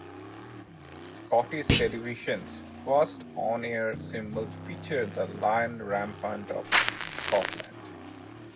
Scottish Television's first on-air symbol featured the Lion Rampant of Scotland.